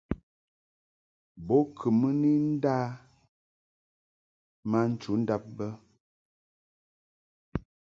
Bo kɨ mɨ ni nda ma nchudab bə.